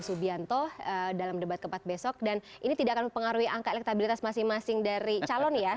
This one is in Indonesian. baik dari gusmis dan juga bang ferry juliantono dalam debat keempat besok dan ini tidak akan mengaruhi angka elektabilitas masing masing dari calon ya